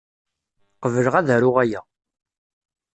Qebleɣ ad aruɣ aya?